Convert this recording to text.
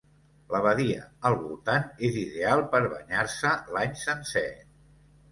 La badia al voltant és ideal per banyar-se l'any sencer.